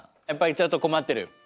やっぱりちょっと困ってる？